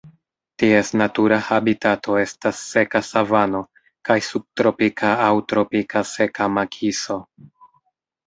Ties natura habitato estas seka savano kaj subtropika aŭ tropika seka makiso.